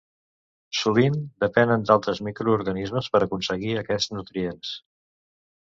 Sovint depenen d'altres microorganismes per aconseguir aquests nutrients.